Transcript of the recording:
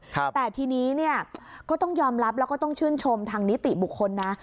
แต่ทีนี้เนี่ยก็ต้องยอมรับแล้วก็ต้องชื่นชมทางนิติบุคคลนะ